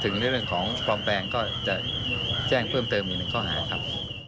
ในเรื่องของปลอมแปลงก็จะแจ้งเพิ่มเติมอีกหนึ่งข้อหาครับ